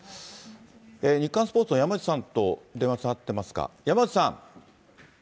日刊スポーツの山内さんと電話、つながってますか。